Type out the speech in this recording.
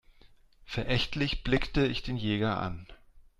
Verächtlich blickte ich den Jäger an.